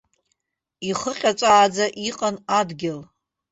Ихыҟьаҵәааӡа иҟан адгьыл.